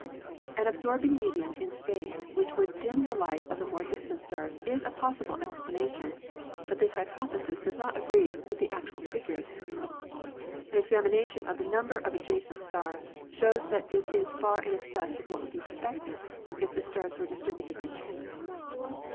An absorbing medium in space which would dim the light of the more distant stars is a possible explanation, but this hypothesis does not agree with the actual figures. An examination of the number of adjacent stars shows that it is far in excess of what would be expected if the stars were distributed by chance.